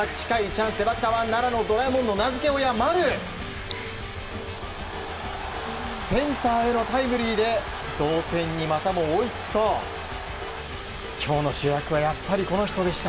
８回バッターは奈良のドラえもんの名付け親、丸。センターへのタイムリーで同点にまたも追いつくと今日の主役はやっぱり、この人でした。